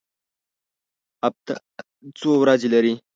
هفته څو ورځې لري؟